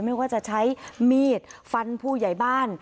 ไม่ว่าจะใช้มีดฟันผู้ใหญ่บ้าน